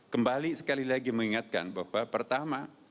kembali sekali lagi mengingatkan bahwa pertama